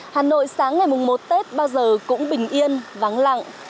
hà nội sáng ngày mùng một tết bao giờ cũng bình yên vắng lặng